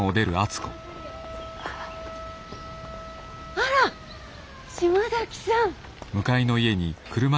あら島崎さん。